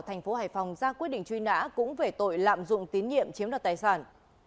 tp hải phòng ra quyết định truy nã cũng về tội lạm dụng tín nhiệm chiếm đoạt tài sản